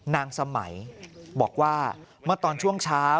นางสมัยบอกว่าเมื่อตอนช่วงเช้า